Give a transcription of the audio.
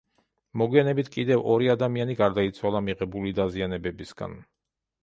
მოგვიანებით, კიდევ ორი ადამიანი გარდაიცვალა მიღებული დაზიანებებისგან.